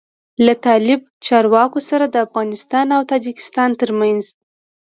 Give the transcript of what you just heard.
له طالب چارواکو سره د افغانستان او تاجکستان تر منځ